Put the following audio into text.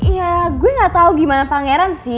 ya gue gatau gimana pangeran sih